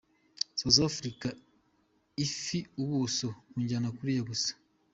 South Africa ifi ubuso bunyana kuriya gusa??.